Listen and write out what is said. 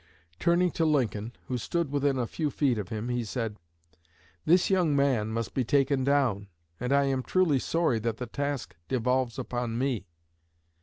Turning to Lincoln, who stood within a few feet of him, he said: 'This young man must be taken down, and I am truly sorry that the task devolves upon me.'